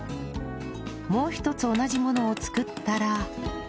もう一つ同じものを作ったら